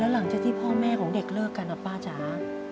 หลังจากที่พ่อแม่ของเด็กเลิกกันนะป้าจ๋า